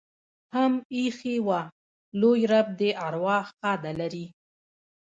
هم ایښي وه. لوى رب دې ارواح ښاده لري.